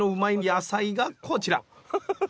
野菜がこちら。